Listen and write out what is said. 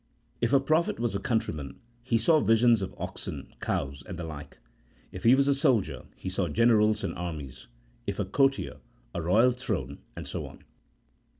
If a prophet was a countryman he saw visions of oxen, cows, and the like; if he was a soldier, he saw generals and ■armies ; if a courtier, a royal throne, and so on.